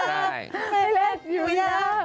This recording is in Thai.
ไม่และอยู่ยักษ์